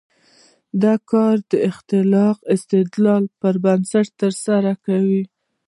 دا کار د اخلاقي استدلال پر بنسټ ترسره کوو.